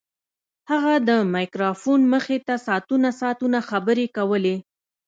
هغه د مایکروفون مخې ته ساعتونه ساعتونه خبرې کولې